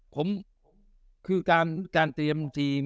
ผมคือการการเตรียม